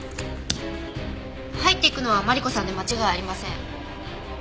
入っていくのはマリコさんで間違いありません。